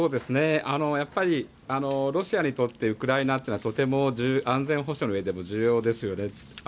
やはりロシアにとってウクライナというのはとても安全保障の上でも重要ですよね。